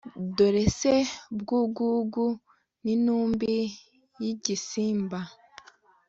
dore sebwugugu n' intumbi y' igisimba